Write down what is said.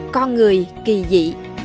con người kỳ dị